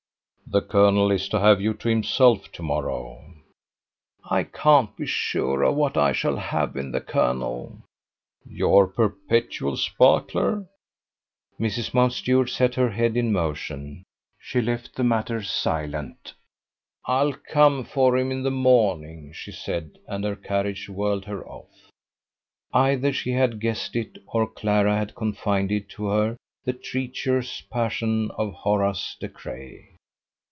"The colonel is to have you to himself to morrow!" "I can't be sure of what I shall have in the colonel!" "Your perpetual sparkler?" Mrs. Mountstuart set her head in motion. She left the matter silent. "I'll come for him in the morning," she said, and her carriage whirled her off. Either she had guessed it, or Clara had confided to her the treacherous passion of Horace De Craye.